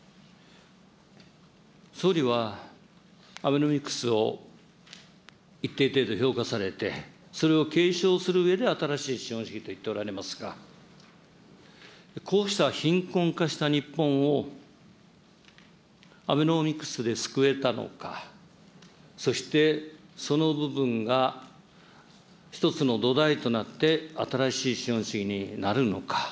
総理はアベノミクスを一定程度評価されて、それを継承するうえで、新しい資本主義と言っておられますが、こうした貧困化した日本を、アベノミクスで救えたのか、そしてその部分が一つの土台となって新しい資本主義になるのか。